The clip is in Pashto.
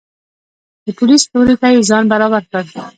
د پولیس لوري ته یې ځان برابر کړ.